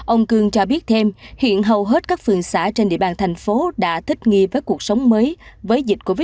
ông cương cho biết thêm hiện hầu hết các phường xã trên địa bàn thành phố đã thích nghi với cuộc sống mới với dịch covid một mươi chín